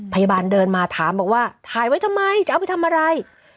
พยาบาลเดินมาถามบอกว่าถ่ายไว้ทำไมจะเอาไปทำอะไร